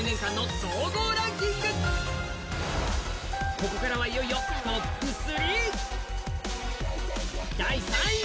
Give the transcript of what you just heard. ここからは、いよいよトップ３。